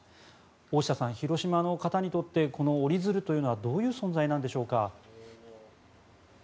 大下さん、広島の方にとってこの折り鶴というのはどういう存在なんでしょうか。